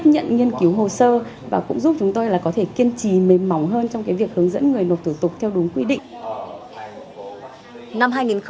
nhận nghiên cứu hồ sơ và cũng giúp chúng tôi có thể kiên trì mềm mỏng hơn trong việc hướng dẫn người nộp thủ tục theo đúng quy định